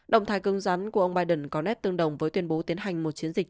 động thái cương rán của ông biden có nét tương đồng với tuyên bố tiến hành một chiến dịch